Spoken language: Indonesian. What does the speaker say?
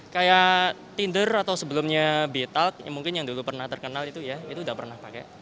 kayak tinder atau sebelumnya betalk mungkin yang dulu pernah terkenal itu ya itu udah pernah pakai